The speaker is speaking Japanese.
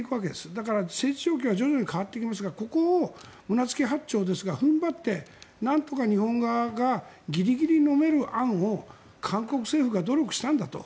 だから政治状況は徐々に変わっていきますがここを胸突き八丁ですが踏ん張って、なんとか日本がギリギリのめる案を韓国政府が努力したんだと。